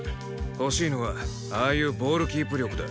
欲しいのはああいうボールキープ力だ。